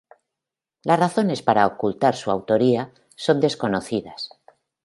Las razones para ocultar su autoría son desconocidas.